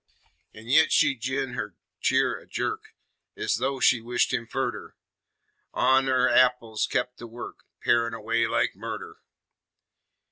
An' yit she gin her cheer a jerk Ez though she wished him furder, An' on her apples kep' to work, Parin' away like murder.